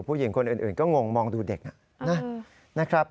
ผู้หญิงคนอื่นก็งงมองดูเด็ก